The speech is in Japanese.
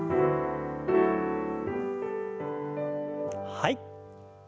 はい。